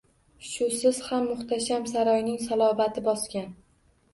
Shusiz ham muhtasham saroyning salobati bosgan.